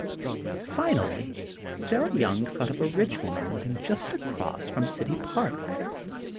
Finally, Sarah Young thought of a rich woman living just across from City Park.